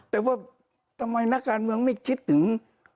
แต่ว่าทำไมนักการเมืองไม่คิดถึง